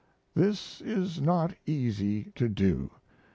This is not easy to do.